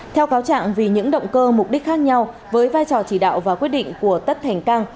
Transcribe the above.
theo cáo trạng vì những động cơ mục đích khác nhau với vai trò chỉ đạo và quyết định của tất thành cang